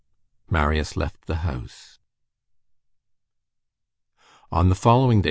Marius left the house. On the following day, M.